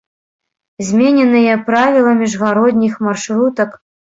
Змененыя правілы міжгародніх маршрутак.